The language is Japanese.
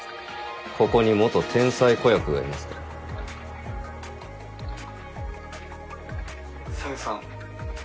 ここに元天才子役がいます紗世さん。